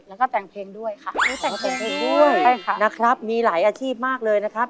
แล้วก็แต่งเพลงด้วยค่ะแต่งเพลงด้วยใช่ค่ะนะครับมีหลายอาชีพมากเลยนะครับ